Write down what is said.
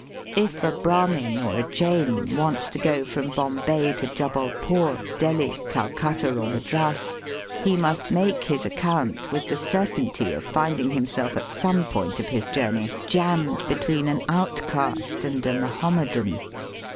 If a Brahmin dr a Jain wants to go from Bombay to Jubbulpore, Delhi, Calcutta, or Madras, he must make his account with the certainty of finding himself at some point of his jom ney jammed between an outcast and a Mahom medan.